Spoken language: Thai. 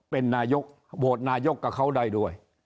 เป็นนายกโหวตนายกกับเขาได้ด้วย